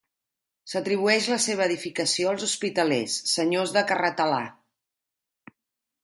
S’atribueix la seva edificació als hospitalers, senyors de Carratalà.